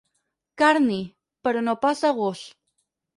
Carni, però no pas de gos.